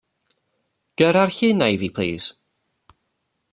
Gyrra'r llun 'na i fi plis.